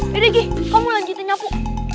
dede gih kamu lanjutin nyapu